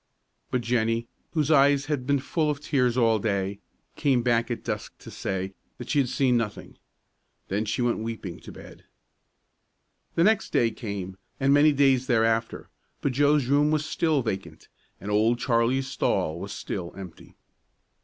But Jennie, whose eyes had been full of tears all day, came back at dusk to say that she had seen nothing. Then she went weeping to bed. The next day came, and many days thereafter; but Joe's room was still vacant, and Old Charlie's stall was still empty.